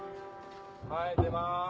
はい出ます！